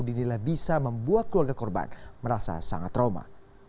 dinilai bisa membuat keluarga korban merasa sangat trauma